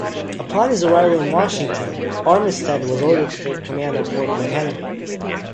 Upon his arrival in Washington, Armistead was ordered to take command of Fort McHenry.